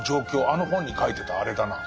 あの本に書いてたあれだな」。